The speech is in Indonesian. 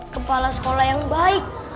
kepala sekolah yang baik